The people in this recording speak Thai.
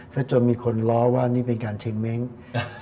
ก็จนมีคนล้อว่านี่เป็นการเช็งเม้ง